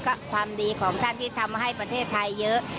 ก็ความดีของท่านที่ทำให้ประเทศไทยเยอะ